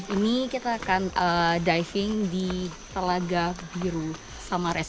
ini kita akan diving di telaga biru samarais